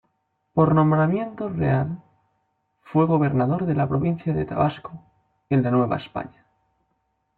Por nombramiento real fue gobernador de la provincia de Tabasco en la Nueva España.